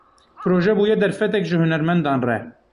Proje bûye derfetek ji hunermendan re.